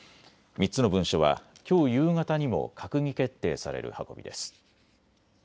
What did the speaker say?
３つの文書はきょう夕方にも閣議決定される運びです。